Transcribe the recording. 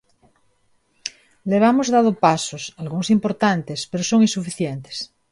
Levamos dado pasos, algúns importantes, pero son insuficientes.